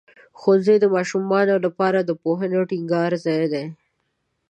ښوونځی د ماشومانو لپاره د پوهې ټینګار ځای دی.